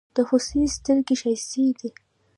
د هوسۍ ستړگي ښايستې دي.